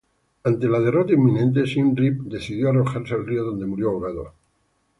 Ante la derrota inminente, Sin Rip decidió arrojarse al río donde murió ahogado.